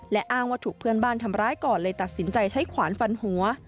และอ้างว่าถูกเพื่อนบ้านทำร้ายก่อนเลยตัดสินใจใช้ขวานฟันหัว